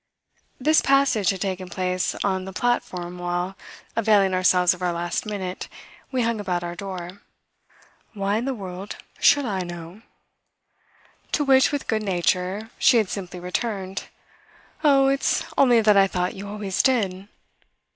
This passage had taken place on the platform while, availing ourselves of our last minute, we hung about our door. "Why in the world should I know?" To which, with good nature, she had simply returned: "Oh, it's only that I thought you always did!"